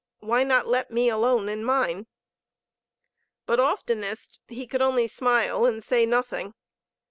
Why not let me alone in mine?" But oftenest he could only smile and say nothing.